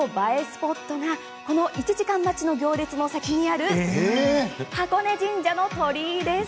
スポットが１時間待ちの行列の先にある箱根神社の鳥居です。